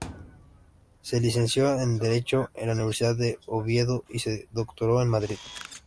Se licenció en derecho en la Universidad de Oviedo y se doctoró en Madrid.